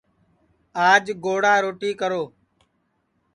آج گوڑا روٹی کرو